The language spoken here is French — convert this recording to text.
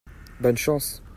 Bonne chance !